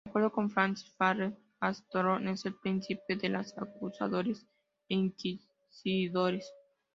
De acuerdo con Francis Barret, Astaroth es el príncipe de los acusadores e inquisidores.